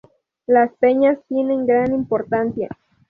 Las peñas tienen gran importancia.